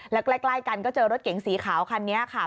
แล้วใกล้กันก็เจอรถเก๋งสีขาวคันนี้ค่ะ